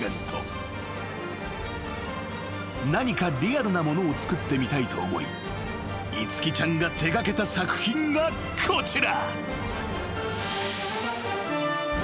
［何かリアルなものを作ってみたいと思い樹ちゃんが手掛けた作品がこちら］